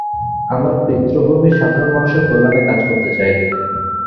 আমার পিতৃভূমির সাধারণ মানুষের কল্যাণে কাজ করতে চাই।